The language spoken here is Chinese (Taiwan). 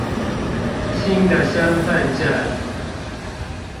新的身份証